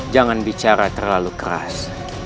jangan bicara terlalu keras